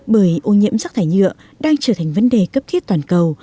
bởi ô nhiễm rác thải nhựa đang trở thành vấn đề cấp thiết toàn cầu